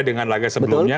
dengan laga sebelumnya